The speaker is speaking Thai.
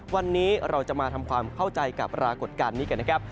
วันนี้เราจะมาทำความเข้าใจกับปรากฏการณ์นี้กันนะครับ